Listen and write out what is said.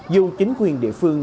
dù chính quyền địa phương